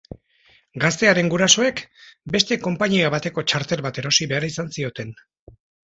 Gaztearen gurasoek, beste konpainia bateko txartel bat erosi behar izan zioten.